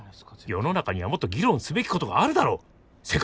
世の中にはもっと議論すべきことがあるだろ。